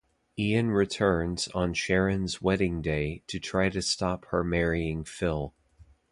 Ian returns on Sharon's wedding day to try to stop her marrying Phil.